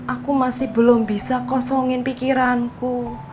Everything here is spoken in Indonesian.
aku masih belum bisa kosongin pikiranku